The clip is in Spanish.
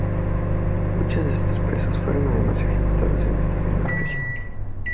Muchos de estos presos fueron además ejecutados en esta misma prisión.